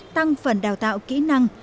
tăng phần đào tạo kỹ năng